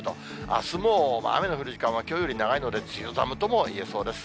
あすも雨の降る時間はきょうより長いので、梅雨寒ともいえそうです。